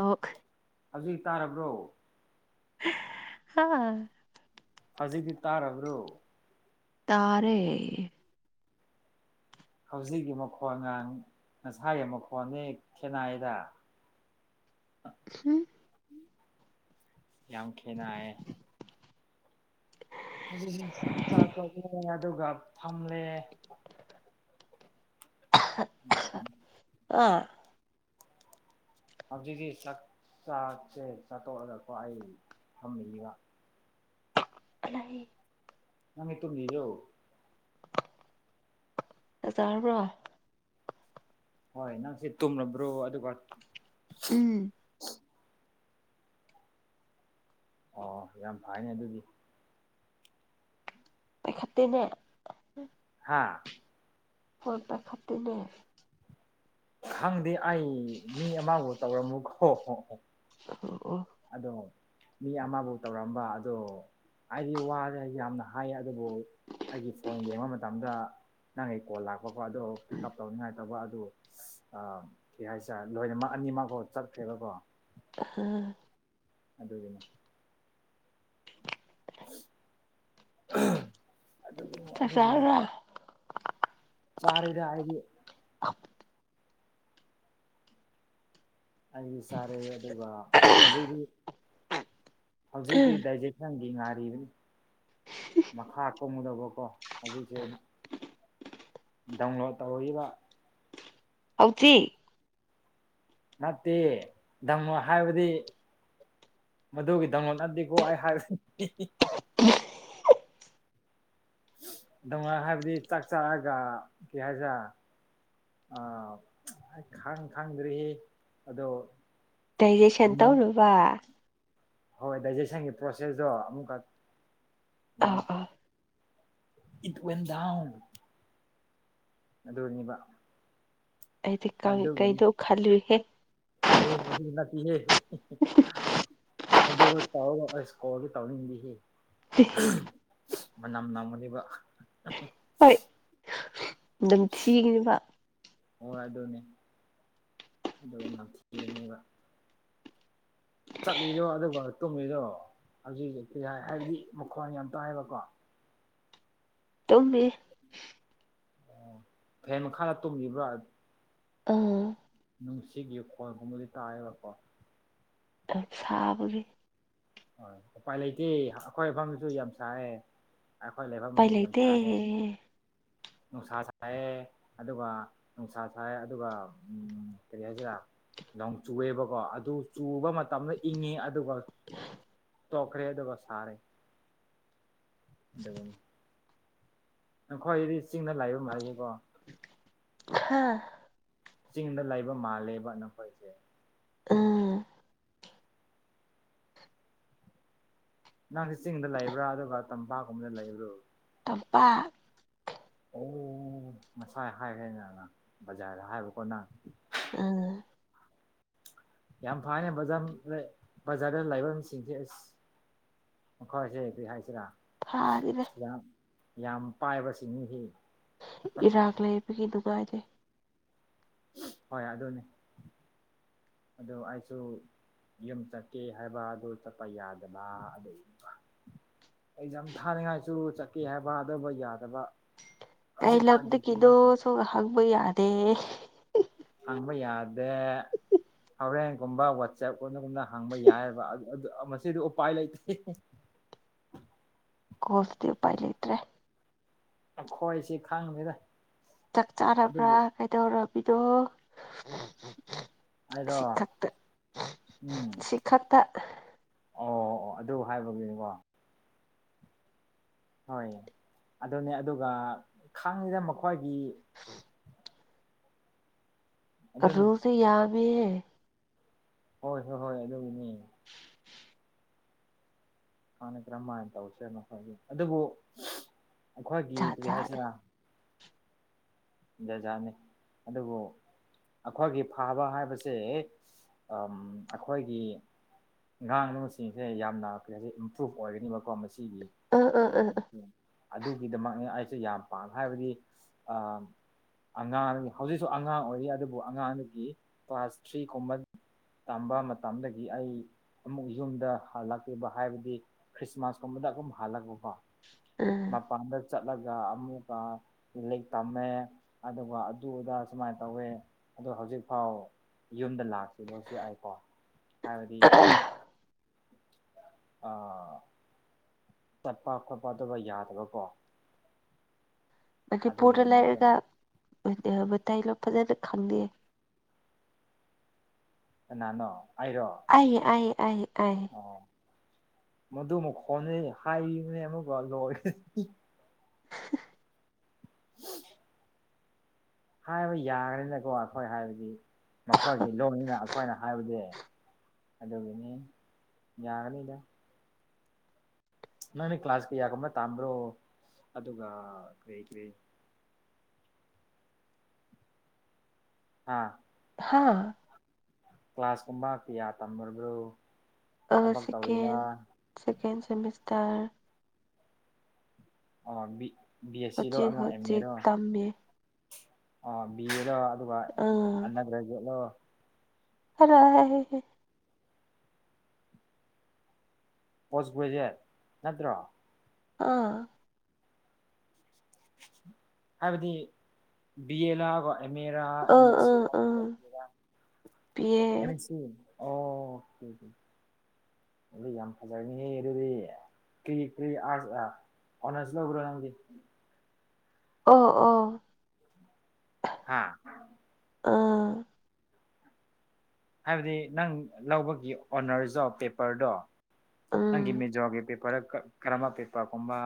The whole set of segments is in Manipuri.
ꯑꯣꯛ [unintelligible] ꯍꯧꯖꯤꯛ ꯇꯥꯔꯕ꯭ꯔꯣ [unintelligible] ꯍꯧꯖꯤꯛꯇꯤ ꯇꯥꯔꯕ꯭ꯔꯣ ꯇꯥꯔꯦ ꯍꯧꯖꯤꯛꯀꯤ ꯃꯈꯣꯟꯅ ꯉꯁꯥꯏꯒꯤ ꯃꯈꯣꯟꯅꯤ ꯈꯦꯅꯌꯦꯗ [unintelligible] ꯌꯥꯝ ꯈꯦꯟꯅꯌꯦ ꯍꯧꯖꯤꯛ ꯆꯥꯛ ꯆꯥ ꯇꯣꯛꯂꯦ ꯑꯗꯨꯒ ꯄꯝꯂꯦ [unintelligible] ꯑ ꯍꯧꯖꯤꯛꯇꯤ ꯆꯥꯛ ꯆꯥꯛꯁꯦ ꯆꯥꯠꯇꯣꯛꯑꯒꯀꯣ ꯑꯩ ꯄꯝꯃꯤꯕ [unintelligible] ꯅꯪ [unintelligible] ꯇꯨꯝꯃꯤꯔꯣ ꯆꯥꯛ ꯆꯥꯔꯕ꯭ꯔꯣ ꯍꯣꯏ ꯅꯪꯁꯦ ꯇꯨꯝꯂꯝꯕ꯭ꯔꯣ ꯑꯗꯨꯒ ꯎꯝ ꯑꯣ ꯌꯥꯝ ꯐꯩꯌꯅꯦ ꯑꯗꯨꯗꯤ ꯄꯥꯏꯈꯠꯇꯦꯅꯦ ꯍꯥꯥ ꯐꯣꯟ ꯄꯥꯏꯈꯠ ꯇꯦꯅꯦ ꯈꯪꯗꯦ ꯑꯩ ꯃꯤ ꯑꯃꯕꯨ ꯇꯧꯔꯃꯨꯛ ꯍꯣ ꯍꯣ ꯍꯣ [unintelligible] ꯑꯣ ꯑꯗꯣ ꯃꯤ ꯑꯃꯕꯨ ꯇꯧꯔꯝꯕ ꯑꯗꯣ ꯍꯩꯗꯤ ꯋꯥꯔꯦ ꯌꯥꯝꯅ ꯍꯥꯏ ꯑꯗꯨꯕꯨ ꯑꯩꯒꯤ ꯐꯣꯟ ꯌꯦꯡꯕ ꯃꯇꯝꯗ ꯅꯪꯒꯤ ꯀꯣꯜ ꯂꯥꯛꯄꯀꯣ ꯑꯗꯣ ꯄꯤꯛ ꯎꯞ ꯇꯧꯅꯤꯡꯉꯥꯏ ꯇꯧꯕ ꯑꯗꯨ [unintelligible] ꯑ ꯀꯩ ꯍꯥꯏꯁꯤꯔ ꯂꯣꯏꯅꯃꯛ ꯑꯅꯤꯃꯛ [unintelligible] ꯆꯠꯈ꯭ꯔꯦꯕꯀꯣ [unintelligible] ꯑꯗꯨꯒꯤꯅꯦ ꯑꯗꯨꯒꯤꯅꯤ ꯑꯗꯨꯒꯤꯅꯤ ꯆꯥꯔꯕ꯭ꯔꯥ ꯆꯥꯔꯦꯗꯥ ꯑꯩꯗꯤ ꯑꯩꯗꯤ ꯆꯥꯔꯦ ꯑꯗꯨꯒ ꯍꯧꯖꯤꯛꯇꯤ ꯍꯧꯖꯤꯛꯇꯤ ꯗꯥꯏꯖꯦ ꯃꯊꯪꯒꯤ ꯉꯥꯏꯔꯤꯕꯅꯤ ꯃꯈꯥ ꯀꯣꯝꯒꯗꯕꯀꯣ ꯍꯧꯖꯤꯛꯁꯦ ꯗꯥꯎꯟꯂꯣꯗ ꯇꯧꯔꯤꯕ ꯍꯧꯖꯤꯛ ꯅꯠꯇꯦ ꯗꯥꯎꯟꯂꯣꯗ ꯍꯥꯏꯕꯗꯤ ꯃꯗꯨꯒꯤ ꯗꯥꯎꯟꯂꯣꯗ ꯅꯥꯠꯇꯦꯀꯣ ꯑꯩ ꯍꯥꯏꯕꯁꯤ ꯗꯥꯎꯟꯂꯣꯗ ꯍꯥꯏꯕꯗꯤ ꯆꯥꯛ ꯆꯥꯔꯒ ꯀꯩ ꯍꯥꯏꯁꯦꯔꯥ ꯑꯥ ꯑꯩ ꯈꯪ ꯈꯪꯗ꯭ꯔꯤꯌꯦ ꯑꯗꯣ ꯗꯥꯏꯖꯦꯁꯟ ꯇꯧꯅꯕ ꯍꯣꯏ ꯗꯥꯏꯖꯦꯁꯟꯒꯤ ꯄ꯭ꯔꯣꯁꯦꯁꯇꯣ ꯑꯃꯨꯛꯀ ꯅ ꯑꯥ ꯑꯥ ꯏꯠꯇꯨꯌꯦꯟꯗꯥꯎꯟ ꯑꯗꯨꯔꯅꯤꯕ ꯑꯩꯗꯤ ꯀꯪ ꯀꯩꯗꯣ ꯈꯜꯂꯨꯏꯕ ꯍꯦ [unintelligible] ꯃꯗꯨꯕꯨ ꯇꯧꯔꯒ ꯑꯁ ꯀꯣꯜꯗꯤ ꯇꯧꯅꯤꯡꯗꯦꯍꯦ ꯃꯅꯝ ꯅꯝꯒꯅꯤꯕ ꯍꯣꯏ ꯅꯝꯊꯤꯒꯅꯤꯕ ꯍꯣꯏ ꯑꯗꯨꯅꯦ ꯑꯗꯨꯒꯤ ꯅꯝꯊꯤꯒꯅꯦꯕ ꯆꯠꯂꯤꯔꯣ ꯑꯗꯨꯒ ꯇꯨꯝꯂꯤꯔꯣ ꯍꯧꯖꯤꯛ ꯀꯔꯤ ꯍꯥꯏ ꯍꯥꯏꯕꯗꯤ ꯃꯈꯣꯟ ꯌꯥꯝ ꯇꯥꯏꯕꯀꯣ ꯇꯨꯝꯃꯤ ꯐꯦꯟ ꯃꯈꯥꯗ ꯇꯨꯝꯔꯤꯕ꯭ꯔꯥ ꯎꯝ ꯅꯨꯡꯁꯤꯠꯒꯤ ꯈꯣꯜꯒꯨꯝꯕꯗꯤ ꯇꯥꯑꯦꯕꯀꯣ ꯑꯗꯨꯝ ꯁꯥꯕꯒꯤ ꯍꯣꯏ ꯎꯄꯥꯏ ꯂꯩꯇꯦ ꯑꯩꯈꯣꯏ ꯃꯐꯝꯗꯁꯨ ꯌꯥꯝ ꯁꯥꯏꯑꯦ ꯑꯩꯈꯣꯏ ꯎꯄꯥꯏ ꯂꯩꯐꯝꯁꯨ ꯌꯥꯝ ꯂꯩꯇꯦ ꯁꯥꯏꯌꯦ ꯅꯨꯡꯁꯥ ꯁꯥꯏꯌꯦ ꯑꯗꯨꯒ ꯅꯨꯡꯁꯥ ꯁꯥꯏ ꯑꯗꯨꯒ ꯎꯝ ꯀꯔꯤ ꯍꯥꯏꯁꯤꯔꯥ ꯅꯣꯡ ꯆꯨꯑꯦꯕꯀꯣ ꯑꯗꯨ ꯆꯨꯕ ꯃꯇꯝꯗ ꯏꯪꯉꯦ ꯑꯗꯨꯒ ꯇꯣꯛꯈ꯭ꯔꯦ ꯑꯗꯨꯒ ꯁꯥꯔꯦ ꯑꯗꯨꯒꯤꯅꯤ ꯅꯪꯈꯣꯏꯗꯤ ꯆꯤꯡꯅ ꯂꯩꯕ ꯃꯥꯂꯦꯀꯣ ꯍꯥꯥ ꯆꯤꯡꯗ ꯂꯩꯕ ꯃꯥꯜꯂꯦꯕ ꯅꯈꯣꯏꯁꯦ ꯎꯝ ꯅꯪꯁꯦ ꯆꯤꯡꯗ ꯂꯩꯕ꯭ꯔꯥ ꯑꯗꯨꯒ ꯇꯝꯄꯥꯛꯀꯨꯝꯕꯗ ꯂꯩꯕ꯭ꯔꯣ ꯇꯝꯄꯥꯛ ꯑꯣ ꯉꯁꯥꯏ ꯍꯥꯏꯈ꯭ꯔꯦ ꯅꯅ ꯕꯖꯥꯔꯗ ꯍꯥꯏꯕꯀꯣ ꯅꯪ ꯎꯝ ꯌꯥꯝ ꯐꯌꯦ ꯕꯖꯝ ꯕꯖꯥꯔꯗ ꯂꯩꯕꯁꯤꯡꯁꯦ ꯑꯁ ꯃꯈꯣꯏꯁꯦ ꯀꯔꯤ ꯍꯥꯏꯁꯤꯔꯥ ꯐꯥꯔꯤꯕ ꯌꯥꯝ ꯌꯥꯝ ꯄꯥꯏꯕꯁꯤꯡꯅꯦꯍꯦ ꯏꯔꯥꯡ ꯂꯩꯕꯒꯤ ꯅꯨꯡꯉꯥꯏꯇꯦ ꯍꯣꯏ ꯑꯗꯨꯅꯦ ꯑꯗꯨ ꯑꯩꯁꯨ ꯌꯨꯝ ꯆꯠꯀꯦ ꯍꯥꯏꯕ ꯑꯗꯨ ꯆꯠꯄ ꯌꯥꯗꯕ ꯑꯗꯨꯏꯕ ꯑꯦꯛꯖꯥꯝ ꯊꯥꯔꯤꯉꯥꯏꯁꯨ ꯆꯠꯀꯦ ꯍꯥꯏꯕ ꯑꯗꯨꯕꯨ ꯌꯥꯗꯕ ꯀꯩ ꯍꯧꯖꯤꯛꯀꯥꯟꯒꯤ ꯐꯤꯕꯝ ꯂꯝꯗꯒꯤꯅꯣꯁꯨ ꯍꯪꯕ ꯌꯥꯗꯦ ꯍꯪꯕ ꯌꯥꯗꯦ ꯍꯣꯔꯦꯟꯒꯨꯝꯕ ꯋꯥꯠꯆꯦꯞꯀꯨꯝꯅꯒꯨꯝꯅ ꯍꯪꯕ ꯌꯥꯏꯑꯦꯕ ꯑꯗꯨ ꯑꯗꯨ ꯃꯁꯤꯗꯤ ꯎꯄꯥꯏ ꯂꯩꯇꯦ ꯀꯣꯁꯗꯤ ꯎꯄꯥꯏ ꯂꯩꯇ꯭ꯔꯦ ꯑꯩꯈꯣꯏꯁꯦ ꯈꯪꯗꯦꯗ ꯆꯥꯛ ꯆꯥꯔꯕ꯭ꯔꯥ ꯑꯗꯨꯕꯨ ꯀꯩꯗꯧꯔꯝꯃꯤꯅꫭ ꯍꯥꯏꯔꯣ ꯁꯤꯈꯛꯇ ꯎꯝ ꯁꯤꯈꯛꯇ ꯑꯣ ꯑꯣ ꯑꯗꯨ ꯍꯥꯏꯕꯒꯤꯅꯤꯀꯣ ꯍꯣꯏ ꯑꯗꯨꯅꯦ ꯑꯗꯨꯒ ꯈꯪꯗꯦꯗ ꯃꯈꯣꯏꯒꯤ [inaudible] ꯑꯗꯨꯅꯤ ꯀꯂꯨꯁꯦ ꯌꯥꯝꯃꯦ ꯍꯣꯏ ꯍꯣꯏ ꯍꯣꯏ ꯑꯗꯨꯒꯤꯅꯦ ꯃꯥꯅ ꯀꯔꯝꯃꯥꯏ ꯇꯧꯁꯤꯔꯅꯦ ꯈꯪꯗꯦ ꯑꯗꯨꯕꯨ ꯑꯩꯈꯣꯏꯒꯤ ꯖꯥꯠ ꯀꯔꯤ ꯖꯥꯠꯅꯦ ꯍꯥꯏꯁꯤꯔ ꯗꯖꯥꯅꯦ ꯑꯗꯨꯕꯨ ꯑꯩꯈꯣꯏꯒꯤ ꯐꯕꯥ ꯍꯥꯏꯕꯁꯦ ꯍꯦꯛ ꯑꯝ ꯑꯩꯈꯣꯏꯒꯤ ꯉꯥꯡꯕ ꯁꯤꯡꯁꯦ ꯌꯥꯝꯅ ꯀꯔꯤ ꯍꯥꯏꯁꯤꯒꯦ ꯏꯝꯄ꯭ꯔꯨꯨꯞ ꯑꯣꯏꯒꯅꯤꯕꯀꯣ ꯃꯁꯤꯒꯤ ꯑ ꯑ ꯑ [unintelligible] ꯑꯗꯨꯒꯤꯗꯃꯛꯅꯦ ꯑꯩꯁꯨ ꯌꯥꯝ ꯄꯥꯝꯃ ꯍꯥꯏꯕꯗꯤ ꯑ ꯑꯉꯥꯡꯒꯤ ꯍꯧꯖꯤꯛꯁꯨ ꯑꯉꯥꯡ ꯑꯣꯏꯔꯤ ꯑꯗꯨꯕꯨ ꯑꯉꯥꯡꯗꯒꯤ ꯀ꯭ꯂꯥꯁ ꯊ꯭ꯔꯤꯒꯨꯝꯕ ꯇꯝꯕ ꯃꯇꯝꯗꯒꯤ ꯑꯩ ꯑꯃꯨꯛ ꯌꯨꯝꯗ ꯍꯜꯂꯛꯇꯦꯕ ꯍꯥꯏꯕꯗꯤ ꯈ꯭ꯔꯤꯁꯃꯥꯁꯀꯨꯝꯕꯗ ꯑꯗꯨꯝ ꯍꯜꯂꯛꯄꯀꯣ ꯎꯝ ꯃꯄꯥꯟꯗ ꯆꯠꯂꯒ ꯑꯃꯨꯛꯀ ꯂꯥꯏꯔꯤꯛ ꯇꯝꯃꯦ ꯑꯗꯨꯒ ꯑꯗꯨꯗ ꯁꯨꯃꯥꯏ ꯇꯧꯋꯦ ꯑꯗꯨ ꯍꯧꯖꯤꯛꯐꯥꯎ ꯌꯨꯝꯗ ꯂꯥꯛꯁꯤꯟꯕꯁꯨ ꯌꯥꯎꯏꯀꫭ ꯍꯥꯏꯕꯗꯤ ꯑꯥ ꯆꯠꯄ ꯈꯣꯠꯄ ꯑꯗꯨꯕꯨ ꯌꯥꯗꯕꯀꯣ ꯃꯅꯤꯄꯨꯔꯗ ꯑꯗꯨꯒꯤꯗꯃꯛꯇ ꯂꯩꯔꯒ ꯃ ꯃꯇꯥꯏ ꯂꯣꯟ ꯐꯖꯅ ꯈꯪꯗꯦ ꯀꯅꯥꯅꯣ ꯑꯩꯔꯣ ꯑꯩ ꯑꯩꯌꯦ ꯑꯩꯌꯦ ꯑꯩ ꯑꫭ ꯃꯥꯗꯨ ꯃꯈꯣꯟꯗꯩ ꯍꯥꯏꯕꯤꯕꯅꯦ ꯑꯃꯨꯛꯀ ꯂꯣꯏ [inaudible] ꯍꯥꯏꯕ ꯌꯥꯔꯦꯅꯦꯀꯣ ꯑꯩꯈꯣꯏ ꯍꯥꯏꯕꯗꯤ ꯃꯈꯣꯏꯒꯤ ꯂꯧꯅꯤꯅ ꯑꯩꯈꯣꯏꯅ ꯍꯥꯏꯕꯗꯤ ꯑꯗꯨꯒꯤꯅꯤ ꯌꯥꯒꯅꯤꯗ ꯅꯪꯗꯤ ꯀ꯭ꯂꯥꯁ ꯀꯌꯥ ꯒꯨꯝꯕ ꯇꯟꯕ꯭ꯔꯣ ꯑꯗꯨꯒ ꯀꯔꯤ ꯀꯔꯤ ꯍꯥꯥ ꯍꯥꯥ ꯀ꯭ꯂꯥꯁꯒꯨꯝꯕ ꯀꯌꯥ ꯇꯝꯃꯥꯕ꯭ꯔꯣ ꯑꯥ ꯁꯦꯀꯦꯟ ꯁꯦꯀꯦꯟ ꯁꯦꯃꯤꯁꯇꯔ ꯑꯣ ꯕꯤ ꯕꯤ ꯑꯦꯁ ꯁꯤꯔꯣ ꯍꯧꯖꯤꯛ ꯑꯃ ꯑꯦꯝ ꯍꯧꯖꯤꯛ ꯑꯦꯔꯣ ꯇꯝꯃꯤ ꯑꯣ ꯕꯤ ꯑꯦꯔꫭ ꯑꯗꯨꯒ ꯑꯥ ꯑꯅꯥꯛꯄꯗ [unintelligible] ꯍꯜꯂꫭꯍꯦ ꯄꯣꯁ ꯒ꯭ꯔꯦꯖꯨꯋꯦꯠ ꯅꯠꯇ꯭ꯔꯣ ꯑꯥ ꯍꯥꯏꯕꯗꯤ ꯕꯤ ꯑꯦ ꯂꯥꯕ ꯑꯦꯝ ꯑꯦ ꯔꯥ ꯑꯦꯝ ꯑꯥ ꯑꯦꯁ ꯁꯤꯔꯥ ꯑꯥ ꯕꯤ ꯑꯥ ꯑꯦꯝ ꯁꯤꯔꯥ ꯑꯦꯝ ꯄꯤꯌꯦ ꯑꯦꯁ ꯁꯤ ꯑꯣ ꯑꯣꯀꯦ ꯑꯣꯀꯦ ꯑꯗꯨ ꯌꯥꯝ ꯐꯖꯕꯅꯤꯍꯦ ꯑꯗꯨꯗꯤ ꯀꯔꯤ ꯀꯔꯤ ꯑꯥꯔꯁ ꯑꯥ ꯑꯣꯅꯔꯁ ꯂꯧꯕ꯭ꯔꯣ ꯅꯪꯗꯤ ꯑꯣ ꯑꯣ ꯍꯥꯥ ꯑꯥ ꯍꯥꯏꯕꯗꯤ ꯅꯪ ꯂꯧꯕꯒꯤ ꯑꯣꯅꯔꯗꯣ ꯄꯦꯄꯔꯗꯣ ꯅꯪꯒꯤ ꯎꯝ ꯃꯤꯖꯣꯒꯤ ꯄꯦꯄꯔꯗ ꯀꯥ ꯀꯔꯝꯕ ꯄꯦꯄꯔꯒꯨꯝꯕ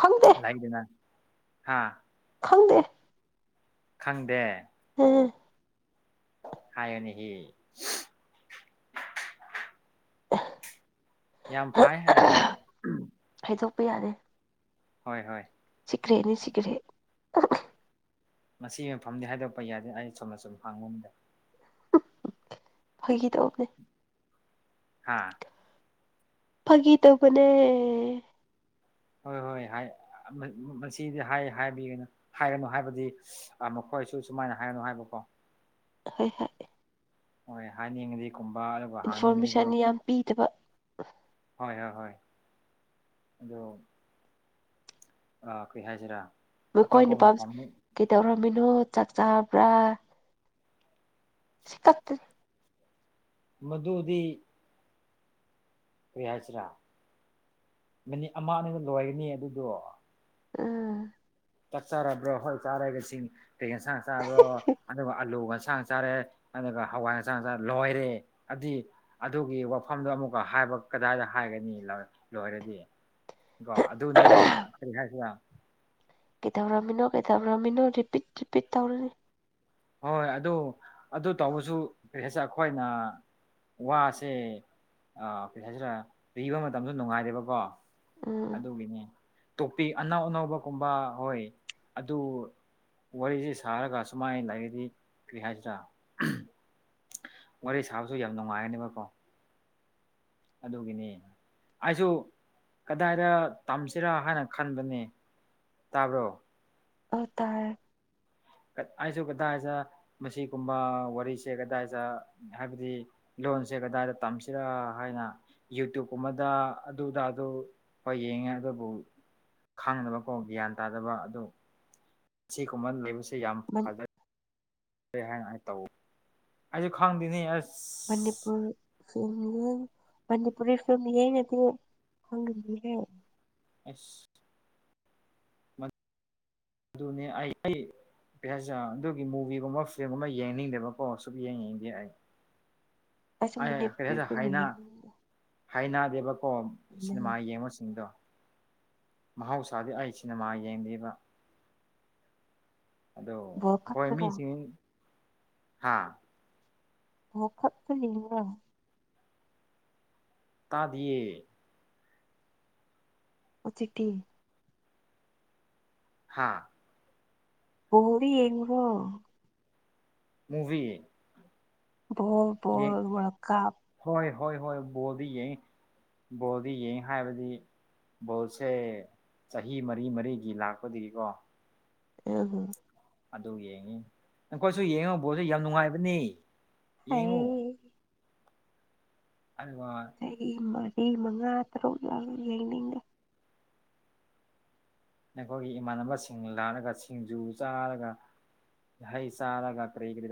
ꯈꯪꯗꯦ ꯂꯩꯗꯅ ꯍꯥꯥ ꯈꯪꯗꯦ ꯈꯪꯗꯦ ꯎꯝ ꯍꯥꯏꯌꫭꯅꯦꯍꯦ ꯌꯥꯝ ꯐꯥꯏ ꯑꯗꯨ ꯍꯥꯏꯗꯣꯛꯄ ꯌꯥꯗꯦ ꯍꯣꯏ ꯍꯣꯏ ꯁꯤꯀ꯭ꯔꯦꯠꯅꯦ ꯁꯤꯀ꯭ꯔꯦꯠ ꯃꯁꯤꯒꯤ ꯃꯐꯝꯗꯤ ꯍꯥꯏꯗꯣꯛꯛꯄ ꯌꯥꯗꯦ ꯑꯩ ꯆꯨꯝꯅꯁꯨꯝ ꯍꯥꯡꯕ [unintelligible] ꯐꯥꯒꯤ ꯇꯧꯕꯅꯦ ꯍꯥꯥ ꯐꯥꯒꯤ ꯇꯧꯕꯅꯦ ꯍꯣꯏ ꯍꯣꯏ ꯍꯥꯏ ꯑꯥ ꯃꯥ ꯃꯁꯤꯗꯤ ꯍꯥꯏ ꯍꯥꯏꯕꯤꯒꯅꯨ ꯍꯥꯏꯔꯅꯨ ꯍꯥꯏꯕꯗꯤ ꯑꯥ ꯃꯈꯣꯏꯁꯨ ꯁꯨꯃꯥꯏꯅ ꯍꯥꯏꯔꯅꯨ ꯍꯥꯏꯕꯀꯣ ꯍꯣꯏ ꯍꯣꯏ ꯍꯣꯏ ꯍꯥꯏꯅꯤꯡꯉꯗꯤ ꯀꯨꯝꯕ ꯑꯗꯨꯒ ꯍꯥꯡꯅꯤꯡꯉꯗꯤꯒꯨꯝꯕ ꯏꯟꯐꯣꯔꯃꯦꯁꯟ ꯌꯥꯝ ꯄꯤꯗꯕ ꯍꯣꯏ ꯍꯣ ꯍꯣꯏ ꯑꯗꯣ ꯑꯥ ꯀꯩ ꯍꯥꯏꯁꯤꯔꯥ ꯃꯈꯣꯏ ꯑꯇꯣꯞꯄ ꯅꯨꯄꯥꯝꯁ ꯃꯐꯝ ꯀꯩꯗꯧꯔꯝꯃꯤꯅꯣ ꯆꯥꯛ ꯆꯥꯔꯕ꯭ꯔꯥ [unintelligible] ꯃꯗꯨꯗꯤ ꯀꯔꯤ ꯍꯥꯏꯁꯤꯔꯥ ꯃꯤꯅꯤꯠ ꯑꯃ ꯑꯅꯤꯗ ꯂꯣꯏꯒꯅꯤ ꯑꯗꯨꯗꯣ ꯎꯨꯝ ꯆꯥꯛ ꯆꯔꯕ꯭ꯔꯣ ꯍꯣꯏ ꯆꯥꯔꯦ ꯀꯁꯤꯡ ꯀꯩ ꯌꯦꯟꯁꯥꯡ ꯆꯥꯕ꯭ꯔꯣ ꯑꯗꯨꯒ ꯑꯥꯂꯨ ꯌꯦꯟꯁꯥꯡ ꯆꯥꯔꯦ ꯑꯗꯨꯒ ꯍꯋꯥꯏ ꯑꯦꯟꯁꯥꯡ ꯆꯥꯔꯥ ꯂꯣꯏꯔꯦ ꯑꯗꯨꯗꯤ ꯑꯗꯨꯒꯤ ꯋꯥꯐꯝꯗꯣ ꯑꯃꯨꯛꯀ ꯍꯥꯏꯕ ꯀꯗꯥꯏꯗ ꯍꯥꯏꯒꯅꯤ ꯂꯥ ꯂꯣꯏꯔꯗꯤ ꯀꯣ ꯑꯗꯨꯅꯦꯃ ꯀꯔꯤ ꯍꯥꯏꯁꯤꯔꯥ ꯀꯩꯗꯧꯔꯝꯃꯤꯅꯣ ꯀꯩꯗꯧꯔꯝꯃꯤꯅꯣ ꯔꯤꯄꯤꯠ ꯔꯤꯄꯤꯠ ꯇꯧꯔꯅꯤ ꯍꯣꯏꯣꯏ ꯑꯗꯨ ꯑꯗꯨ ꯇꯧꯕꯁꯨ ꯀꯩ ꯍꯥꯏꯁꯦ ꯑꯩꯈꯣꯏꯅ ꯋꯥꯁꯦ ꯑꯥ ꯀꯩ ꯍꯥꯏꯁꯤꯔꯥ ꯄꯤꯕ ꯃꯇꯝꯗ ꯅꯨꯡꯉꯥꯏꯔꯦꯕꯀꯣ ꯎꯝ ꯑꯗꯨꯒꯤꯅꯦ ꯇꯣꯄꯤꯛ ꯑꯅꯧ ꯑꯅꯧꯕꯒꯨꯝꯕ ꯍꯣꯏ ꯑꯗꯨ ꯋꯥꯔꯤꯁꯤ ꯁꯥꯔꯒ ꯁꯨꯃꯥꯏꯅ ꯂꯥꯏꯔꯤꯛ [unintelligible] ꯀꯔꯤ ꯍꯥꯏꯁꯤ꯭ꯔꯥ ꯋꯥꯔꯤ ꯁꯥꯕꯁꯨ ꯌꯥꯝ ꯅꯨꯡꯉꯥꯏꯒꯅꯦꯕꯀꯣ ꯑꯗꯨꯒꯤꯅꯤ ꯑꯩꯁꯨ ꯀꯗꯥꯏꯗ ꯇꯝꯁꯤꯔꯥ ꯍꯥꯏꯅ ꯈꯟꯕꯅꯦ ꯇꯥꯕ꯭ꯔꯣ ꯑꯥꯎ ꯇꯥꯢ ꯑꯩꯁꯨ ꯀꯗꯥꯢ ꯃꯁꯤꯒꯨꯝꯕ ꯋꯥꯔꯤꯁꯦ ꯀꯗꯥꯢꯗ ꯍꯥꯢꯕꯗꯤ ꯂꯣꯟꯁꯦ ꯀꯗꯥꯢꯗ ꯇꯝꯁꯤꯔ ꯍꯥꯢꯅ ꯌꯨꯇ꯭ꯌꯨꯕꯀꯨꯝꯕꯗ ꯑꯗꯨꯗ ꯑꯗꯨ ꯍꯣꯢ ꯌꯦꯡꯉꯦ ꯑꯗꯨꯕꯨ ꯈꯥꯡꯗꯕꯀꯣ ꯒ꯭ꯌꯥꯟ ꯇꯥꯗꯕ ꯑꯗꯨ ꯑꯁꯤꯒꯨꯝꯕ [unintelligible] ꯌꯥꯝ ꯐꯒꯩ ꯀꯩ ꯍꯥꯢꯅ ꯑꯩ ꯇꯧ ꯑꯩꯁꯨ ꯈꯪꯗꯦꯅꯦ ꯑꯁ ꯃꯅꯤꯄꯨꯔ ꯐꯤ ꯃꯅꯤꯄꯨꯔꯔꯤ ꯐꯤꯂꯝ ꯌꯦꯡꯉꯦꯀꯣ [unintelligible] ꯑꯁ ꯑꯗꯨꯅꯦ ꯑꯩ ꯑꯩ ꯀꯩ ꯍꯥꯢꯖꯤꯔ ꯑꯗꯨꯒꯤ ꯃꯨꯚꯤꯒꯨꯝꯕ ꯐ꯭ꯤꯂꯝꯒꯨꯝꯕ ꯌꯦꯡꯅꯤꯡꯗꯦꯕꯀꯣ ꯁꯨꯛꯌꯦꯡ ꯌꯦꯡꯅꯤꯡꯗꯦ ꯑꯩ ꯑꯩꯁꯨ ꯑꯩ ꯀꯔꯤ ꯃꯅꯤꯄꯨꯔꯤ [unintelligible] ꯐꯤꯂꯝ ꯍꯥꯢꯅ ꯌꯦꯡꯅꯤꯡꯉꯦ ꯍꯥꯢꯅꯥꯗꯦꯕꯀꯣ ꯁꯤꯅꯦꯃꯥ ꯌꯦꯡꯕꯁꯤꯡꯗꯣ ꯃꯍꯧꯁꯥꯗꯤ ꯑꯩ ꯁꯤꯅꯤꯃꯥ ꯌꯦꯡꯗ꯭ꯔꯤꯕ ꯑꯗꯣ ꯕꯣꯜ ꯍꯣꯢ ꯈꯛꯇꯔꯣ ꯃꯤꯁꯤꯡ ꯍꯥꯥ [unintelligible] ꯇꯥꯗꯤꯌꯦ ꯎꯆꯦꯛꯇꯤ ꯍꯥꯥ ꯕꯣꯜꯗꯤ ꯌꯦꯡꯕ꯭ꯔꯣ ꯃꯨꯚꯤ ꯕꯣꯜ ꯌꯦꯡ ꯕꯣꯜ ꯋꯥꯔꯜ ꯀꯞ ꯍꯣꯢ ꯍꯣꯢ ꯍꯣꯢ ꯕꯣꯜꯗꯤ ꯌꯦꯡꯉꯤ ꯕꯣꯜꯗꯤ ꯌꯦꯡꯉꯤ ꯍꯥꯢꯕꯗꯤ ꯕꯣꯜꯁꯦ ꯆꯍꯤ ꯃꯔꯤ ꯃꯔꯤꯒꯤ ꯂꯥꯛꯄꯗꯤꯒꯤꯀꯣ ꯑꯦ ꯑꯗꯨꯅꯤ ꯑꯗꯨ ꯌꯦꯡꯉꯤ ꯅꯪꯈꯣꯢꯁꯨ ꯌꯦꯡꯉꯨ ꯕꯣꯠꯁꯨ ꯌꯥꯝ ꯅꯨꯡꯉꯥꯢꯕꯅꯦ ꯌꯦꯡꯉꯨ ꯍꯩ ꯍꯜ ꯋꯥ ꯆꯍꯤ ꯃꯔꯤ ꯃꯉꯥ ꯇꯔꯨꯛ ꯌꯥꯎ ꯌꯥꯡꯅꯤꯡꯉꯦ ꯅꯈꯣꯢꯒꯤ ꯏꯃꯥꯟꯅꯕꯁꯤꯡ ꯂꯥꯛꯂꯒ ꯁꯤꯡꯖꯨ ꯆꯥꯔꯒ ꯍꯩ ꯆꯥꯔꯒ ꯀꯔꯤ ꯀꯔꯤ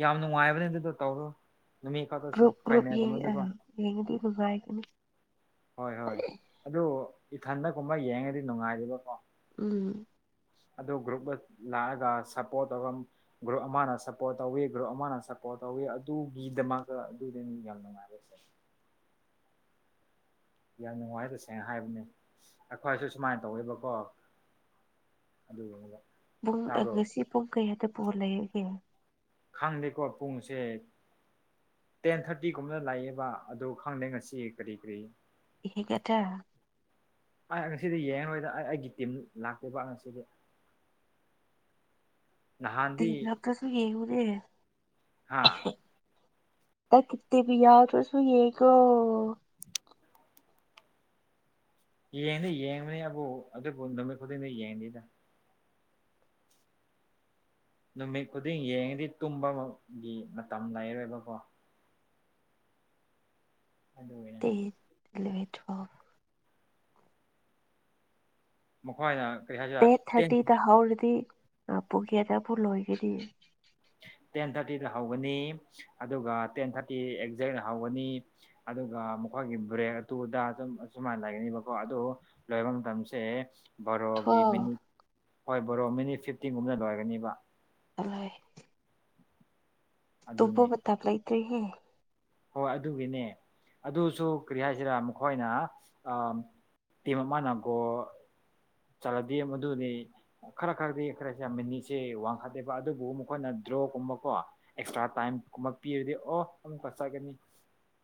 ꯌꯥꯝ ꯅꯨꯡꯉꯥꯢꯕꯅꯦ ꯑꯗꯨꯗꯣ ꯇꯧꯔꯣ ꯅꯨꯃꯤꯠ ꯀꯥꯗ꯭ꯔꯁꯨ ꯐꯥꯏꯅꯒꯨꯝꯕꯗꯀꯣ ꯌꯦꯉꯗꯤ ꯑꯗꯨ ꯉꯥꯢꯕꯅꯤ ꯍꯣꯢ ꯍꯣꯢ ꯑꯗꯨ ꯏꯊꯟꯗ ꯀꯨꯝꯕ ꯌꯦꯡꯉꯗꯤ ꯅꯨꯡꯉꯥꯢꯔꯤꯕꯀꯣ ꯎꯝ ꯑꯗꯨ ꯒ꯭ꯔꯨꯞꯗ ꯂꯥꯛꯑꯒ ꯁꯞꯄꯣꯔꯠ ꯇꯧꯔꯝ ꯒ꯭ꯔꯨꯞ ꯑꯃꯅ ꯁꯞꯄꯣꯔꯠ ꯇꯧꯋꯤ ꯒ꯭ꯔꯨꯞ ꯑꯃꯅ ꯁꯞꯄꯣꯔꯠ ꯇꯧꯋꯤ ꯑꯗꯨꯒꯤꯗꯃꯛꯇ ꯑꯗꯨꯗ ꯌꯥꯝꯅ ꯅꯨꯡꯉꯥꯢꯕꯁꯦ ꯌꯥꯝ ꯅꯨꯡꯉꯥꯢ ꯇꯁꯦꯡꯅ ꯍꯥꯢꯕꯅꯦ ꯑꯩꯈꯣꯢꯁꯨ ꯁꯨꯃꯥꯢꯅ ꯇꯧꯋꯦꯕꯀꯣ [unintelligible] ꯄꯨꯡ ꯑ ꯇꯥꯕ꯭ꯔꯣ ꯉꯁꯤ ꯄꯨꯡ ꯀꯌꯥꯗ ꯕꯣꯜ ꯂꯩꯌꯦꯒꯦ ꯈꯪꯗꯦꯀꯣ ꯄꯨꯡꯁꯦ ꯇꯦꯟ ꯊꯥꯔꯇꯤꯒꯨꯝꯕꯅ ꯂꯩꯑꯦꯕ ꯑꯗꯨ ꯈꯪꯗꯦ ꯉꯁꯤ ꯀꯔꯤ ꯀꯔꯤ [unintelligible] ꯑꯩ ꯉꯁꯤꯗꯤ ꯌꯦꯡꯉꯈꯣꯢꯗꯅ ꯑꯩ ꯑꯩꯒꯤ ꯇꯤꯝ ꯂꯥꯛꯇꯦꯕ ꯉꯁꯤꯗꯤ ꯇꯤ ꯅꯍꯥꯟꯗꯤ ꯂꯥꯛꯇꯁꯨ ꯌꯦꯉꯨꯅꯦ ꯍꯥꯥ ꯑꯩ ꯀꯨꯞꯇꯦꯕꯤ ꯌꯥꯇꯔ꯭ꯁꯨ ꯌꯦꯉꯣ ꯌꯦꯡꯅꯤ ꯌꯦꯡꯕꯅꯤ ꯑꯕꯨ ꯑꯗꯨꯕꯨ ꯅꯨꯃꯤꯠ ꯈꯨꯗꯤꯡꯗ ꯌꯦꯡꯗꯤꯗ ꯅꯨꯃꯤꯠ ꯈꯨꯗꯤꯡ ꯌꯦꯡꯉꯗꯤ ꯇꯨꯝꯕꯒꯤ ꯃꯇꯝ ꯂꯩꯔꯣꯏꯕꯀꯣ ꯑꯗꯨ ꯑꯣꯏ [unintelligible] ꯃꯈ꯭ꯋꯥꯏꯅ ꯀꯩ ꯍꯥꯏ ꯇꯦꯠ ꯊꯥꯔꯇꯤꯗ ꯍꯧꯔꯗꯤ [unintelligible] ꯄꯨꯒꯦꯗꯕꯨ ꯂꯣꯏꯒꯗꯤ ꯇꯦꯟ ꯊꯥꯔꯇꯤꯗ ꯍꯧꯒꯅꯤ ꯑꯗꯨꯒ ꯇꯦꯟ ꯊꯥꯔꯇꯤ ꯑꯦꯛꯖꯦꯛ ꯍꯧꯒꯅꯤ ꯑꯗꯨꯒ ꯃꯈꯣꯏꯒꯤ ꯕ꯭ꯔꯦꯛ ꯑꯇꯨꯑꯗꯥ ꯁꯨꯝ ꯑꯁꯨꯃꯥꯏꯟ ꯂꯩꯒꯅꯦꯕꯀꯣ ꯑꯗꯨ ꯂꯣꯏꯕ ꯃꯇꯝꯁꯦ ꯕꯔꯣꯒꯤ ꯇꯨꯋꯦꯜ ꯃꯤꯅꯤꯠ ꯍꯣꯏ ꯕꯣꯔꯣ ꯃꯤꯅꯤꯠ ꯐꯤꯐꯇꯤꯟꯒꯨꯝꯅ ꯂꯣꯏꯔꯅꯤꯕ ꯑꯂꯥꯏ ꯇꯨꯝꯐꯨ ꯑꯗꯨꯅꯤ ꯃꯇꯥꯝ ꯂꯩꯇ꯭ꯔꯤꯍꯦ ꯍꯣꯏ ꯑꯗꯨꯒꯤꯅꯦ ꯑꯗꯨꯁꯨ ꯀꯔꯤ ꯍꯥꯏꯁꯤꯔ ꯃꯈꯣꯏꯅ ꯑꯥ ꯇꯤꯝ ꯑꯃꯅ ꯒꯣꯜ ꯆꯜꯂꯗꯤ ꯃꯗꯨꯅꯤ ꯈꯔ ꯈꯔꯗꯤ ꯈꯔꯁꯦ ꯌꯥꯝꯃꯤꯅꯤꯁꯦ ꯋꯥꯡꯈꯠꯂꯦꯕ ꯑꯗꯨꯕꯨ ꯃꯈꯣꯏꯅ ꯗ꯭ꯔꯣꯒꯨꯝꯕ ꯀꯣ ꯑꯦꯛꯁꯇ꯭ꯔꯥ ꯇꯥꯏꯝ ꯀꯨꯝꯕ ꯄꯤꯔꯗꯤ ꯑꯣ ꯑꯃꯨꯛꯀ ꯆꯠꯒꯅꯤ